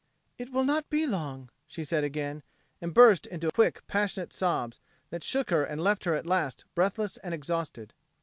"It will not be long," she said again, and burst into quick passionate sobs, that shook her and left her at last breathless and exhausted.